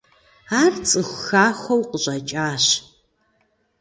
Ар цӏыху хахуэу къыщӏэкӏащ.